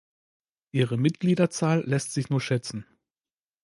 Ihre Mitgliederzahl lässt sich nur schätzen.